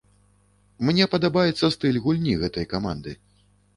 Мне падабаецца стыль гульні гэтай каманды.